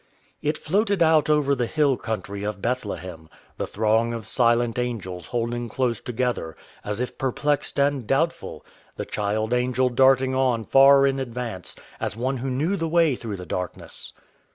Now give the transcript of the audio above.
It floated out over the hill country of Bethlehem; the throng of silent angels holding close together, as if perplexed and doubtful; the child angel darting on far in advance, as one who knew the way through the darkness.